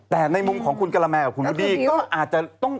แต่ในมุมของคุณกะละแมกับคุณวูดดี้ก็อาจจะต้อง